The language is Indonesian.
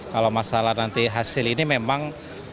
kalau masalah nanti hasil ini memang